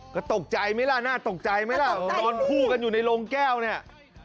ก็ตกใจไหมล่ะน่าตกใจไหมล่ะนอนคู่กันอยู่ในโรงแก้วเนี่ย